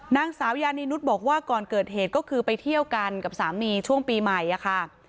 นางสาวยานีนุษย์บอกว่าก่อนเกิดเหตุก็คือไปเที่ยวกันกับสามีช่วงปีใหม่ค่ะ